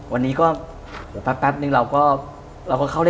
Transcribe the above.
วันนี้ก็เดี๋ยวแป๊บนึงเราก็เข้าเลข๓แล้วนะ